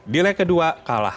di lag kedua kalah